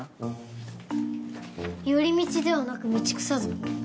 寄り道ではなく道草ぞ。